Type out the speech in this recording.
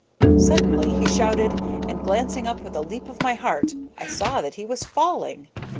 Suddenly he shouted, and, glancing up with a leap of the heart, I saw that he was falling!